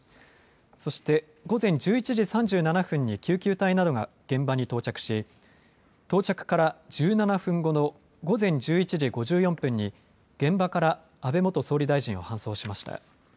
そして午前１１時３７分に救急隊などが現場に到着し到着から１７分後の午前１１時５４分に現場から安倍元総理大臣を搬送しました。